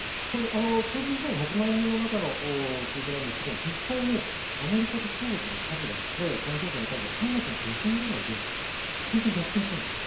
数字自体は１００万人の中の数字なんですけど実際にアメリカと中国の感染者の数が３月の下旬ぐらいで逆転するんですよ。